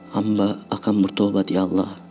hamba akan bertobat ya allah